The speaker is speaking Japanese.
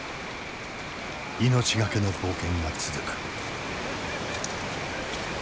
命懸けの冒険が続く。